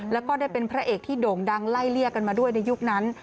แล้วก็ได้เป็นพระเอกที่โด่งดังไล่เลี่ยกันมาด้วยในยุคนั้น